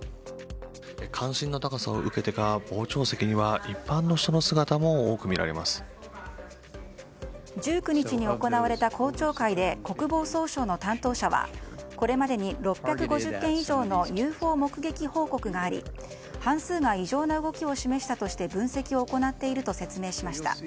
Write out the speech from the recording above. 関心の高さを受けてか傍聴席には１９日に行われた公聴会で国防総省の担当者はこれまでに６５０件以上のＵＦＯ目撃報告があり半数が異常な動きを示したとして分析を行っていると説明しました。